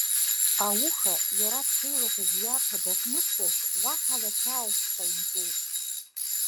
Ауха, иара дшеилаҳәаз ииарҭа дахьнықәтәаз, уаҳа лацәааихьшь ҟаимҵеит.